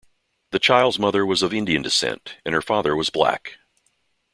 The child's mother was of Indian descent and her father was black.